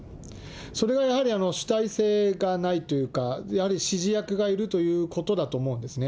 それがやはり主体性がないというか、やはり指示役がいるということだと思うんですね。